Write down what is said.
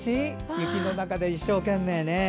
雪の中で一生懸命ね。